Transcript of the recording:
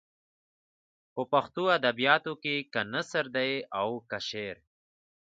په پښتو ادبیاتو کې که نثر دی او که شعر.